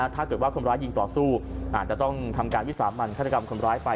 ถ้าเกิดว่าคนร้ายยิงต่อสู้อาจจะต้องทำการวิสามันฆาตกรรมคนร้ายไป